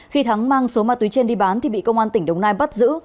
khi thắng mang số ma túy trên đi bán thì bị công an tỉnh đồng nai bắt giữ